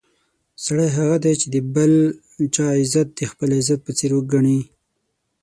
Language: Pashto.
سړی هغه دی چې د بل چا عزت د خپل عزت په څېر ګڼي.